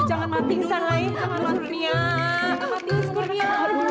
jangan mati mas kurnia